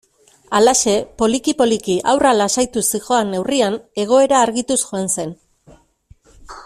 Halaxe, poliki-poliki haurra lasaituz zihoan neurrian, egoera argituz joan zen.